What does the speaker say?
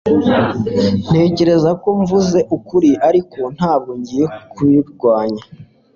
Ntekereza ko mvuze ukuri ariko ntabwo ngiye kubirwanya